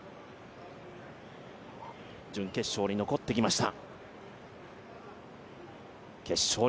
準決勝に残ってきました。